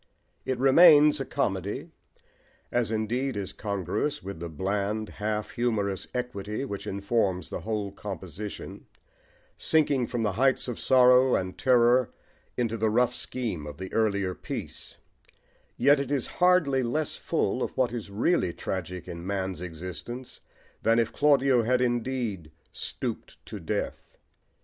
It remains a comedy, as indeed is congruous with the bland, half humorous equity which informs the whole composition, sinking from the heights of sorrow and terror into the rough scheme of the earlier piece; yet it is hardly less full of what is really tragic in man's existence than if Claudio had indeed "stooped to death."